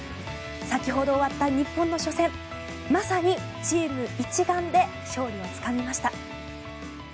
先ほど終わった日本の初戦まさにチーム一丸で勝利をつかみました。